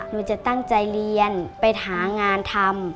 นูตั้งใจเรียนไปถามงานทำ